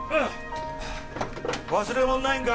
忘れ物ないんか？